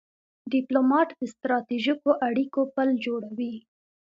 ډيپلومات د ستراتیژیکو اړیکو پل جوړوي.